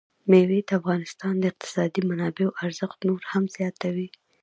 مېوې د افغانستان د اقتصادي منابعو ارزښت نور هم زیاتوي.